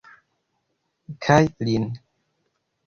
Kaj lin.